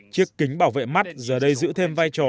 chiếc kính bảo vệ mắt giờ đây giữ thêm vai trò